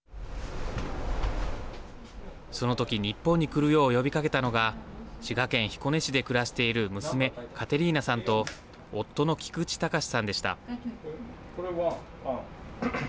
その時日本に来るよう呼びかけたのが滋賀県彦根市で暮らしている娘カテリーナさんと夫の菊地崇さんでした。